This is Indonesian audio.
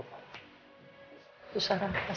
membangun kenangan baru